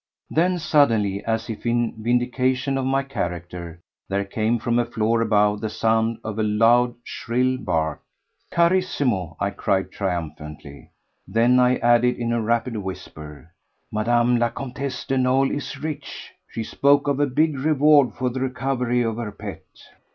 Then suddenly, as if in vindication of my character, there came from a floor above the sound of a loud, shrill bark. "Carissimo!" I cried triumphantly. Then I added in a rapid whisper, "Mme. la Comtesse de Nolé is rich. She spoke of a big reward for the recovery of her pet."